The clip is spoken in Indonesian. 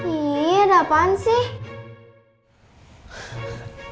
ih ada apaan sih